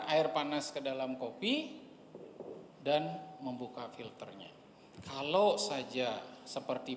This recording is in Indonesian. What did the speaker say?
air panas ke dalam kopi dan membuka filternya kalau saja seperti